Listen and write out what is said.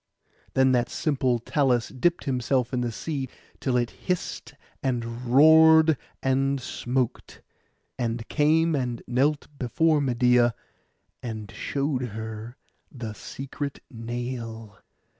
Then that simple Talus dipped himself in the sea, till it hissed, and roared, and smoked; and came and knelt before Medeia, and showed her the secret nail.